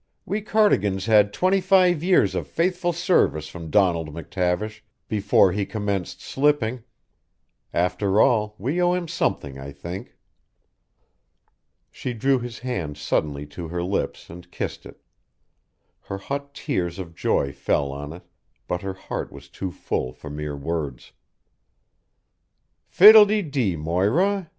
We Cardigans had twenty five years of faithful service from Donald McTavish before he commenced slipping; after all, we owe him something, I think." She drew his hand suddenly to her lips and kissed it; her hot tears of joy fell on it, but her heart was too full for mere words. "Fiddle de dee, Moira!